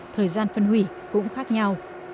thời gian phân hủy cũng khác nhau